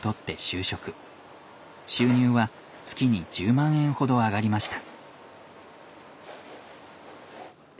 収入は月に１０万円ほど上がりました。